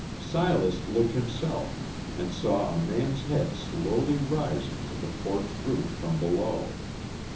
Silas looked himself, and saw a man's head slowly rising to the porch roof from below.